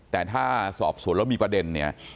แต่ถ้าสอบส่วนแล้วมีประเด็น